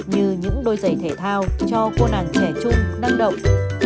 như những đôi giày thể thao cho cô nàng trẻ trung năng động